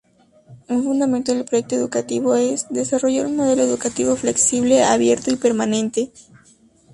Un fundamento del proyecto educativo es “Desarrollar un modelo educativo flexible, abierto y permanente.